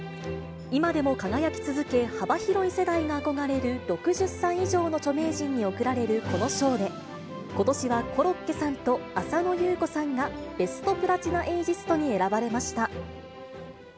今でも輝き続け、幅広い世代が憧れる６０歳以上の著名人に贈られるこの賞で、ことしはコロッケさんと浅野ゆう子さんがベストプラチナエイジストに選ばれました。